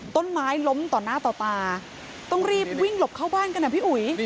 ต้นไม้ล้มต่อหน้าต่อตาต้องรีบวิ่งหลบเข้าบ้านกันอ่ะพี่อุ๋ย